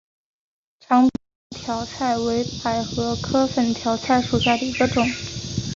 长柄粉条儿菜为百合科粉条儿菜属下的一个种。